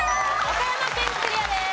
岡山県クリアです。